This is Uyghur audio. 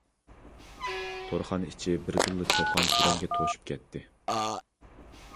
تورخانا ئىچى بىردىنلا چۇقان-سۈرەنگە توشۇپ كەتتى.